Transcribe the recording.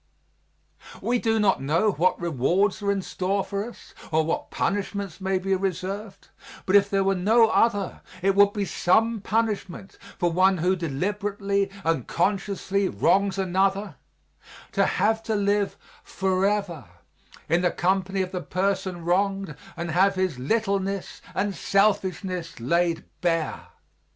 We do not know what rewards are in store for us or what punishments may be reserved, but if there were no other it would be some punishment for one who deliberately and consciously wrongs another to have to live forever in the company of the person wronged and have his littleness and selfishness laid bare.